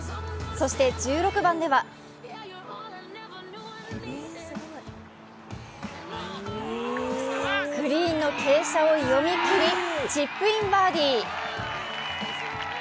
そして１６番ではグリーンの傾斜を読み切り、チップインバーディー。